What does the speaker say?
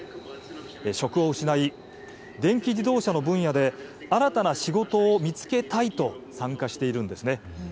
職を失い、電気自動車の分野で新たな仕事を見つけたいと参加しているんですね。